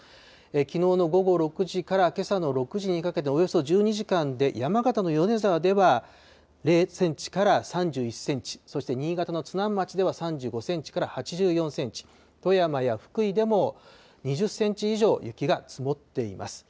きのうの午後６時からけさの６時にかけて、およそ１２時間で山形の米沢では０センチから３１センチ、そして、新潟の津南町では３５センチから８４センチ、富山や福井でも、２０センチ以上雪が積もっています。